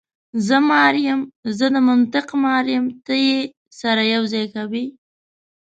زه مار یم، زه د منطق مار یم، ته یې سره یو ځای کوې.